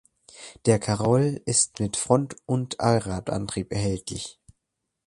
Der Carol ist mit Front- oder Allradantrieb erhältlich.